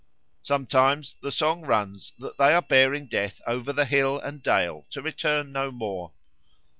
Sometimes the song runs that they are bearing Death over hill and dale to return no more.